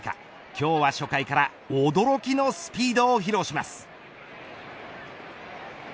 今日は初回から驚きのスピードを披露します。